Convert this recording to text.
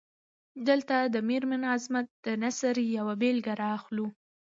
دلته د میرمن عظمت د نثر یوه بیلګه را اخلو.